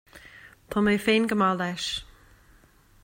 Tá mé féin go maith leis